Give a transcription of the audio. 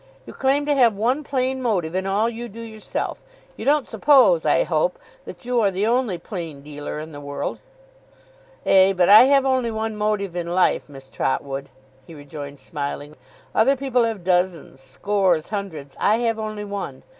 'You claim to have one plain motive in all you do yourself. You don't suppose, I hope, that you are the only plain dealer in the world?' 'Ay, but I have only one motive in life, Miss Trotwood,' he rejoined, smiling. 'Other people have dozens, scores, hundreds. I have only one.